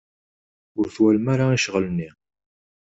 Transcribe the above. Ur twalem ara i ccɣel-nni.